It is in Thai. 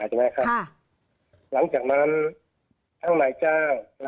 จริงไหมคะหลังจากนั้นแล้วมาให้ห๑๙๔๗